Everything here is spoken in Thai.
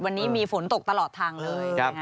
วันนี้มีฝนตกตลอดทางเลย